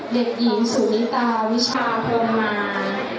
เด็กหญิงสุนิตาวิชาพรมมา